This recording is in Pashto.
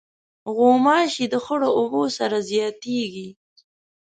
غوماشې د خړو اوبو سره زیاتیږي.